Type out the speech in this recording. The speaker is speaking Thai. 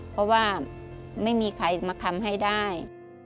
เพราะว่าไม่มีใครมาทำให้ได้